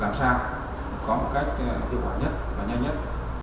làm sao có một cách hiệu quả nhất và nhanh nhất